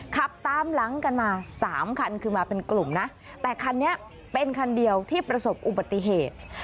ขับตามหลังกันมาสามคันคือมาเป็นกลุ่มนะแต่คันนี้เป็นคันเดียวที่ประสบอุบัติเหตุ